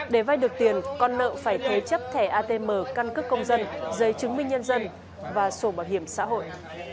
để vay được tiền con nợ phải thế chấp thẻ atm căn cứ công dân giấy chứng minh nhân dân và sổ bảo hiểm xã hội